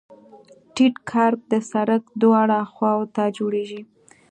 ټیټ کرب د سرک دواړو خواو ته جوړیږي